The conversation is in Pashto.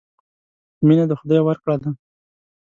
مینه د خدای ورکړه ده.